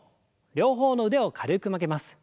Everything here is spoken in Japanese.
両方の腕を軽く曲げます。